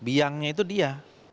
biangnya itu dia